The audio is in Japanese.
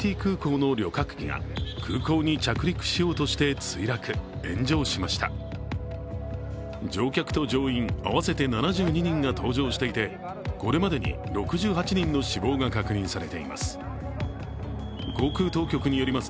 乗客と乗員合わせて７２人が搭乗していてこれまでに６８人の死亡が確認されています。